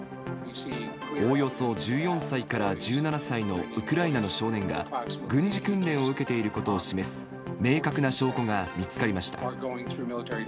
おおよそ１４歳から１７歳のウクライナの少年が、軍事訓練を受けていることを示す、明確な証拠が見つかりました。